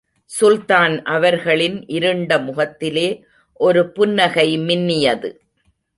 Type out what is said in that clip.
சுல்தான் அவர்களின் இருண்ட முகத்திலே ஒரு புன்னகை மின்னியது.